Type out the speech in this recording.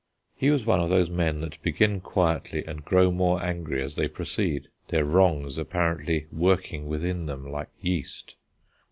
He was one of those men that begin quietly and grow more angry as they proceed, their wrongs apparently working within them like yeast.